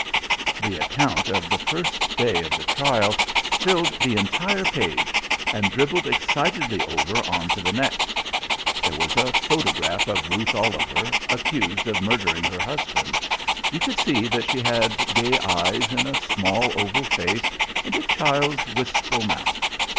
The account of the first day of the trial filled the entire page, and dribbled excitedly over on to the next. There was a photograph of Ruth Oliver, accused of murdering her husband. You could see that she had gay eyes in a small oval face, and a child's wistful mouth.